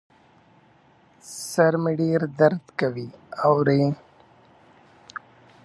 سر مي ډېر درد کوي ، اورې ؟